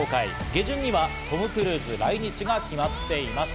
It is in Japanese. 下旬にはトム・クルーズ来日が決まっています。